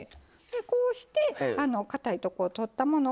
でこうしてかたいとこ取ったもの